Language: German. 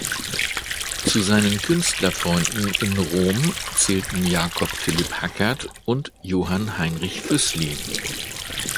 Zu seinen Künstlerfreunden in Rom zählten Jakob Philipp Hackert und Johann Heinrich Füssli.